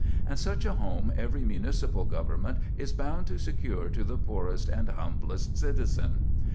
And such a home every municipal government is bound to secure to the poorest and humblest citizen.